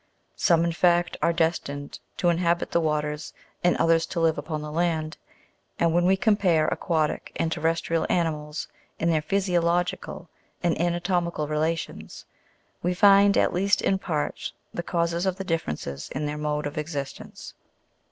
Some in fact are destined to inhabit the waters, and others to live upon the land ; and when we compare aquatic and terrestrial animals, in their physiological and anatomical relations, we find, at least in part, the causes of the differences in their mode of existence.